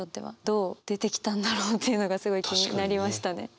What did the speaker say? どう出てきたんだろうっていうのがすごい気になりましたね。